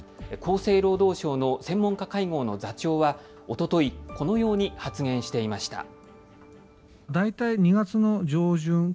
厚生労働省の専門家会合の座長はおととい、このように発言していました。